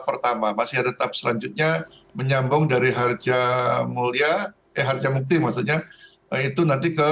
pertama masih tetap selanjutnya menyambung dari harja mulia eh harjamukti maksudnya itu nanti ke